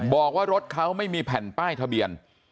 บอกว่ารถเขาไม่มีแผ่นป้ายทะเบียน